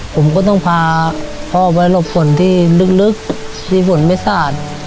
ผมก็ต้องพาพ่อไปหลบฝนที่ลึกที่ฝนไม่สาด